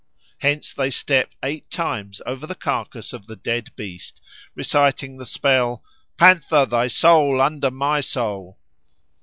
Hence they step eight times over the carcase of the dead beast reciting the spell, "Panther, thy soul under my soul."